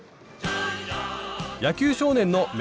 野球少年の運